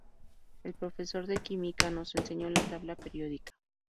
El profesor de química nos enseñó la tabla periódica